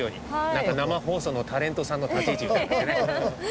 なんか生放送のタレントさんの立ち位置みたいになってね。